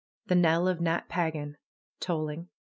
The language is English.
The knell of Nat Pagan! Tolling!